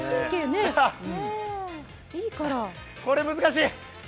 これ、難しい！